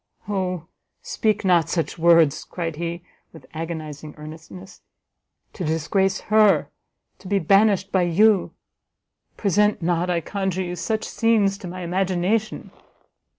"O speak not such words!" cried he, with agonizing earnestness, "to disgrace her, to be banished by you, present not, I conjure you, such scenes to my imagination!"